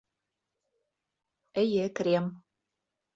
Эйе, крем.